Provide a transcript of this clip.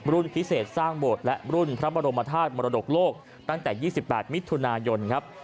รุ่นพิเศษสร้างบทและรุ่นทรัพย์บรมธาตุมรดกโลกตั้งแต่๒๘มิถุนายนครับ